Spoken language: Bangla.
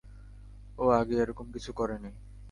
ও আগে এরকম কিছু করেনি।